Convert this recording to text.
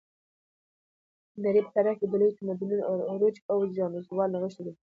د نړۍ په تاریخ کې د لویو تمدنونو عروج او زوال نغښتی دی.